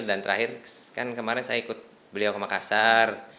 dan terakhir kan kemarin saya ikut beliau ke makassar